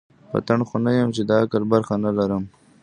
پتڼ خو نه یم چي د عقل برخه نه لرمه